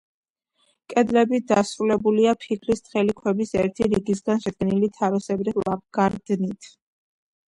კედლები დასრულებულია ფიქლის თხელი ქვების ერთი რიგისგან შედგენილი თაროსებრი ლავგარდნით.